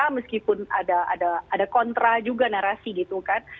meskipun ada kontra juga narasi gitu kan